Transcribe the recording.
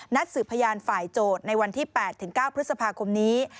สืบพยานฝ่ายโจทย์ในวันที่๘๙พฤษภาคมนี้